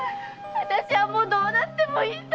私はもうどうなってもいいんだ！